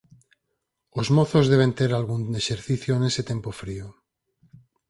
Os mozos deben ter algún exercicio neste tempo frío.